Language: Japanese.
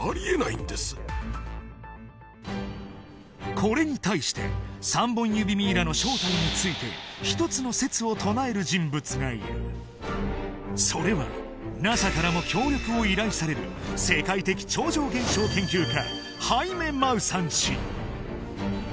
これに対して３本指ミイラの正体について１つの説を唱える人物がいるそれはＮＡＳＡからも協力を依頼される世界的超常現象研究家